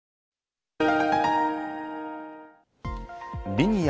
リニア